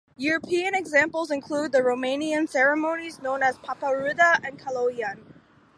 European examples include the Romanian ceremonies known as paparuda and caloian.